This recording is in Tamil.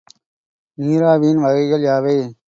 நீராவியின் வகைகள் யாவை?